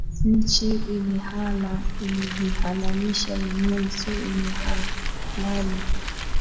nchi imehala imejihalalisha yenyewe so imehalali